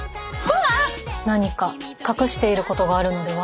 何か隠していることがあるのでは？